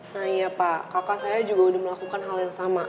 nah iya pak kakak saya juga sudah melakukan hal yang sama